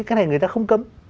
cái này người ta không cấm